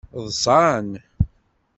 Ḍṣan.